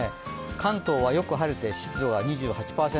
関東はよく晴れて湿度が２８％。